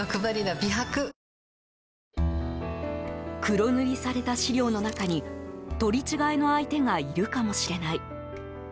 黒塗りされた資料の中に取り違えの相手がいるかもしれない。